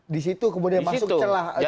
di situ kemudian masuk celah